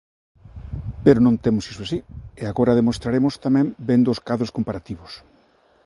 Pero non temos iso así, e agora o demostraremos tamén, vendo os cadros comparativos.